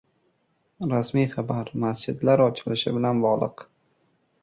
Rasmiy xabar: Masjidlar ochilishi bilan bog‘liq